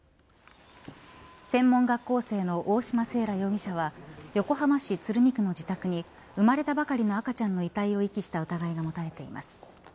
専門学校生の大嶋清良容疑者は横浜市鶴見区の自宅に生まれたばかりの赤ちゃんの遺体を遺棄した疑いが持たれています。